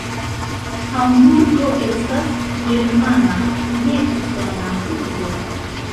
Hamburgo estas germana, ne usona urbo.